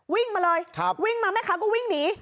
วิ่งมาเลยวิ่งมาแม่ค้าก็วิ่งหนี